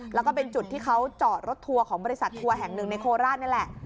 แล้วก็เป็นจุดที่เขาจอดรถทัวร์ของบริษัททัวร์แห่งหนึ่งในโคราชนี่แหละ